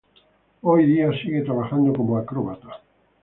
Hoy día sigue trabajando como acróbata.